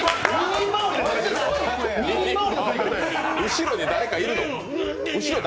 後ろに誰かいるの？